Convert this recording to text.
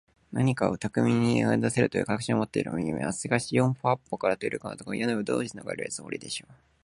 何かたしかに逃げだせるという確信を持っているらしくみえます。しかし、四ほう八ぽうからとりかこまれた、この屋根の上を、どうしてのがれるつもりでしょう。